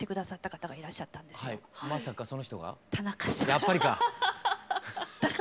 やっぱりか！